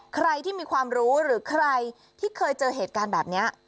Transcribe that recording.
ใครที่มีความรู้หรือใครที่เคยเจอเหตุการณ์แบบนี้